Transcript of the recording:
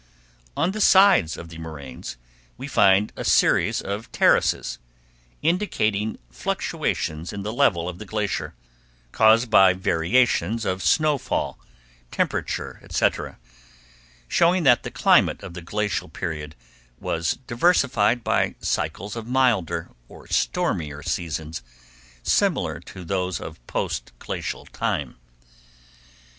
On the sides of the moraines we find a series of terraces, indicating fluctuations in the level of the glacier, caused by variations of snow fall, temperature, etc., showing that the climate of the glacial period was diversified by cycles of milder or stormier seasons similar to those of post glacial time.